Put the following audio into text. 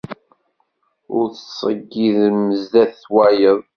Ur tettseǧǧidem sdat wayeḍ.